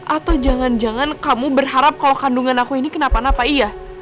atau jangan jangan kamu berharap kalau kandungan aku ini kenapa napa iya